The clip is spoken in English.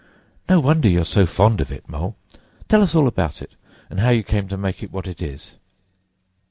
No wonder you're so fond of it, Mole. Tell us all about it, and how you came to make it what it is."